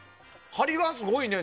ハリがすごいね。